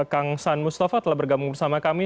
kang saan mustafa telah bergabung bersama kami